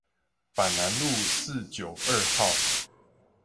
板南路四九二號